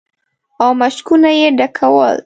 او مشکونه يې ډکول.